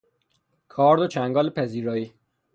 کارد و چنگال پذیرایی